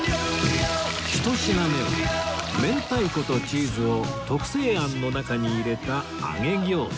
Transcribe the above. １品目は明太子とチーズを特製あんの中に入れた揚げ餃子